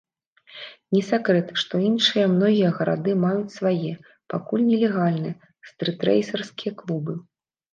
Не сакрэт, што іншыя многія гарады маюць свае, пакуль нелегальныя, стрытрэйсерскія клубы.